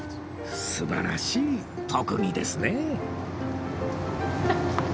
素晴らしい特技ですねえ